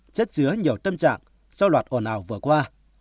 chết dứa nhiều tâm trạng sau loạt ổn ảo vừa qua